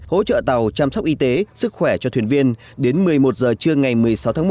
hỗ trợ tàu chăm sóc y tế sức khỏe cho thuyền viên đến một mươi một giờ trưa ngày một mươi sáu tháng một